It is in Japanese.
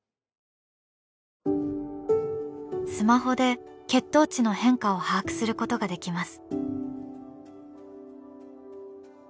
スマホで血糖値の変化を把握することができます。